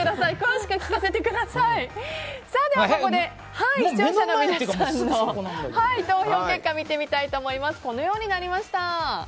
視聴者の皆さんの投票結果を見てみたいと思います。